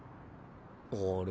あれ？